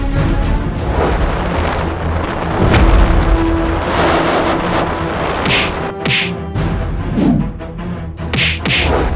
jangan lupa like video ini